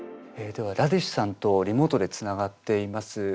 ではラディッシュさんとリモートでつながっています。